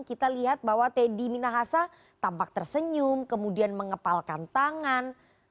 kita lihat bahwa teddy minahasa tampak tersenyum kemudian mengepalkan tangan